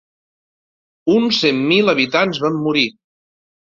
Uns cent mil habitants van morir.